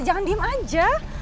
jangan diem aja